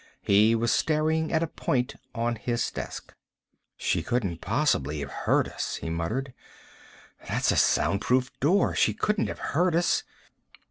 He was staring at a point on his desk. "She couldn't possibly have heard us," he muttered. "That's a soundproof door. She couldn't have heard us."